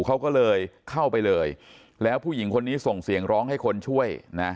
เขาก็เลยเข้าไปเลยแล้วผู้หญิงคนนี้ส่งเสียงร้องให้คนช่วยนะ